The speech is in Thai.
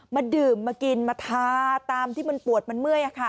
มาดื่มมากินมาทาตามที่มันปวดมันเมื่อย